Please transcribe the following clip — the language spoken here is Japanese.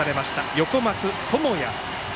横松誠也。